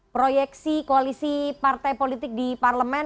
proyeksi koalisi partai politik di parlemen